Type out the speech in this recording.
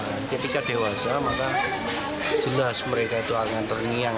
nah ketika dewasa maka jelas mereka itu akan terngiang